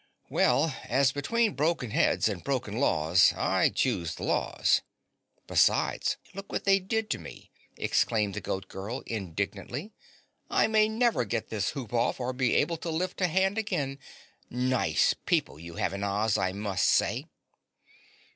"Well, as between broken heads and broken laws, I choose the laws. Besides, look what they did to me!" exclaimed the Goat Girl indignantly. "I may never get this hoop off or be able to lift a hand again. Nice people you have in Oz, I must say."